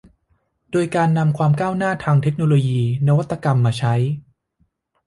โดยการนำความก้าวหน้าทางเทคโนโลยี นวัตกรรมมาใช้